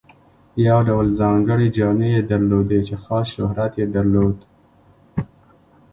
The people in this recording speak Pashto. یو ډول ځانګړې جامې یې درلودې چې خاص شهرت یې درلود.